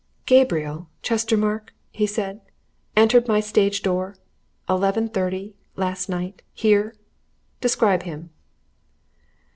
Gabriel Chestermarke!" he said. "Entered my stage door eleven thirty last night? Here! describe him!"